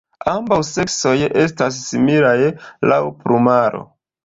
Ambaŭ seksoj estas similaj laŭ plumaro.